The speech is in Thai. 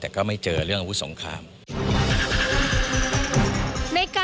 แต่ก็ไม่เห็นเรื่องเข้ามากษัตริย์อาวุธสงคราม